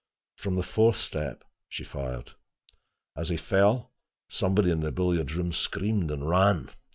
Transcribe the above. From the fourth step she fired. As he fell, somebody in the billiard room screamed and ran.